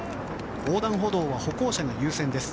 横断歩道は歩行者が優先です。